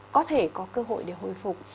có thể có cơ hội để hồi phục